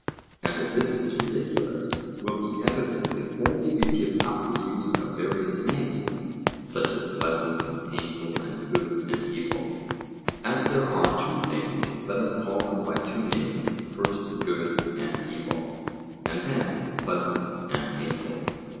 And that this is ridiculous will be evident if only we give up the use of various names, such as pleasant and painful, and good and evil. As there are two things, let us call them by two names first, good and evil, and then pleasant and painful.